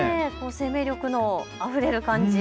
生命力のあふれる感じ。